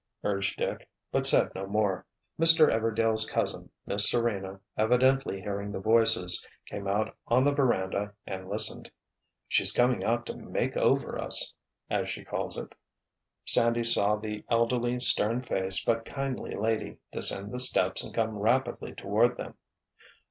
urged Dick, but said no more. Mr. Everdail's cousin, Miss Serena, evidently hearing the voices, came out on the veranda and listened. "She's coming out to 'make over us,' as she calls it." Sandy saw the elderly, stern faced, but kindly lady descend the steps and come rapidly toward them.